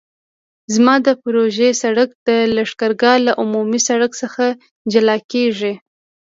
زما د پروژې سرک د لښکرګاه له عمومي سرک څخه جلا کیږي